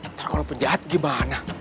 ntar kalau penjahat gimana